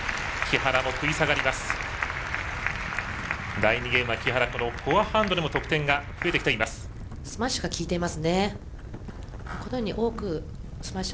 第２ゲームは木原、フォアハンドでも得点が増えてきています。